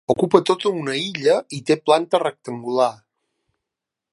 Ocupa tota una illa i té planta rectangular.